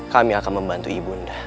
kami akan membantu ibu undang